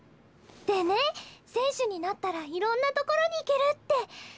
でね選手になったらいろんな所に行けるって。